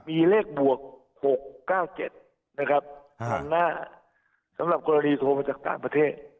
มีเลขบวก๖๙๗นะครับทำหน้าสำหรับกรณีโทรมาจากต่างประเทศ